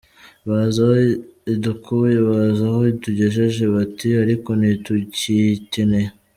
Bazi aho idukuye bazi aho itugejeje, bati ariko ntitukiyikeneye.